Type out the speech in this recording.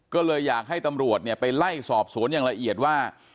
ก็เลยอยากให้ตำรวจไปไล่สอบสวนอย่างละเอียดว่า